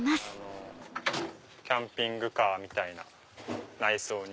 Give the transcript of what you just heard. キャンピングカーみたいな内装に。